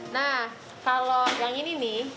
nah kalau yang ini nih